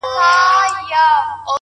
• غوټۍ مي وسپړلې ,